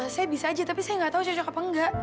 saya bisa aja tapi saya nggak tahu cocok apa enggak